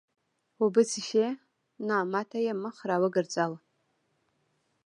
اوبه څښې؟ نه، ما ته یې مخ را وګرځاوه.